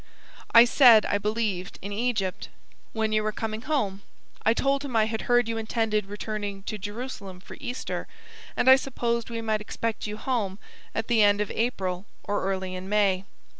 I said, I believed, in Egypt. When you were coming home. I told him I had heard you intended returning to Jerusalem for Easter, and I supposed we might expect you home at the end of April or early in May.